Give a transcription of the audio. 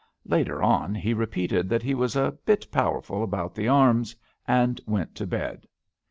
Later on he repeated that he was a *^ bit powerful about the arms," and went to bed.